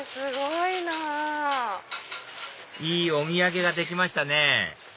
いいお土産ができましたね